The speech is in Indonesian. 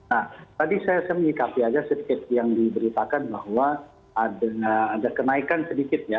nah tadi saya menyikapi aja sedikit yang diberitakan bahwa ada kenaikan sedikit ya